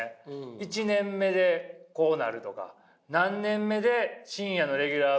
１年目でこうなるとか何年目で深夜のレギュラー番組を持つとか。